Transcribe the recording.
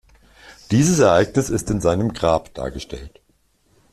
Dieses Ereignis ist in seinem Grab dargestellt.